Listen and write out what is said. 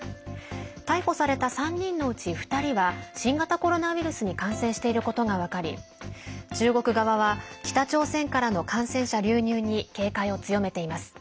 逮捕された３人のうち２人は新型コロナウイルスに感染していることが分かり中国側は北朝鮮からの感染者流入に警戒を強めています。